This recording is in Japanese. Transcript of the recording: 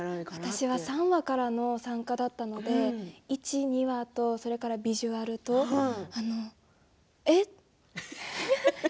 私は第３話からの参加だったので第１話、第２話とビジュアルとえ？